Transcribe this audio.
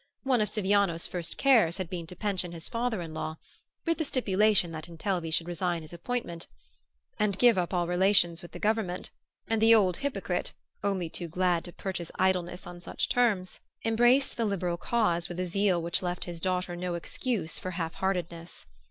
One of Siviano's first cares had been to pension his father in law, with the stipulation that Intelvi should resign his appointment and give up all relations with the government; and the old hypocrite, only too glad to purchase idleness on such terms, embraced the liberal cause with a zeal which left his daughter no excuse for half heartedness.